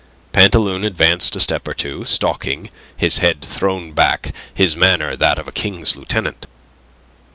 Pantaloon advanced a step or two, stalking, his head thrown back, his manner that of a King's Lieutenant.